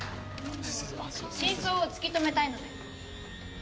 真相を突き止めたいので。